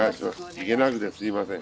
行けなくてすいません。